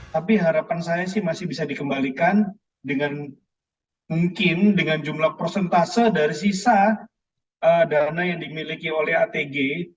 tapi harapan saya sih masih bisa dikembalikan dengan mungkin dengan jumlah prosentase dari sisa dana yang dimiliki oleh atg